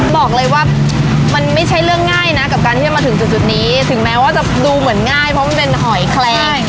บอกเลยว่ามันไม่ใช่เรื่องง่ายนะกับการที่จะมาถึงจุดนี้ถึงแม้ว่าจะดูเหมือนง่ายเพราะมันเป็นหอยแคลง